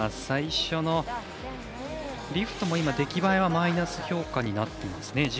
最初のリフトも今、出来栄えはマイナス評価になってますね。